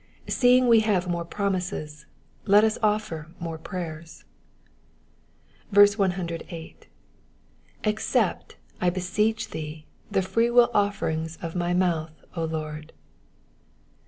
Seeing we have more promises, let us offer more prayers. 108. ''^Accept, I beseech thee, the freewill offerings of my mouth, Lord."